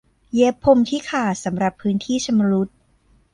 เย็บพรมที่ขาดสำหรับพื้นที่ชำรุด